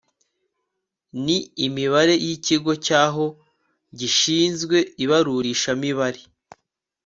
Ni imibare yikigo cyaho gishinzwe ibarurishamibare